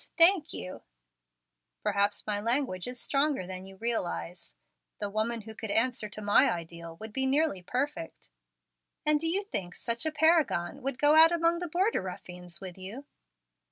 thank you." "Perhaps my language is stronger than you realize. The woman who could answer to my ideal would be nearly perfect." "And do you think such a paragon would go out among the border ruffians with you?"